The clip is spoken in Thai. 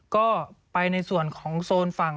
ก็ไปในส่วนของโซนฝั่ง